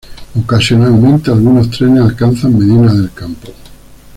Ocasionalmente algunos trenes alcanzan Medina del Campo.